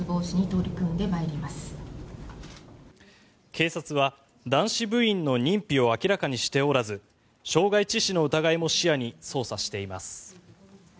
警察は男子部員の認否を明らかにしておらず傷害致死の疑いも視野に捜査しています。